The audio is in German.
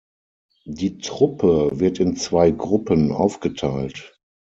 Die Truppe wird in zwei Gruppen aufgeteilt.